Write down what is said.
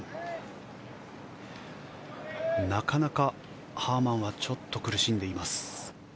なかなかハーマンはちょっと苦しんでいます。